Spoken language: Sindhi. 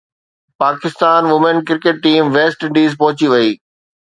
Pakistan women cricket team West Indies پهچي وئي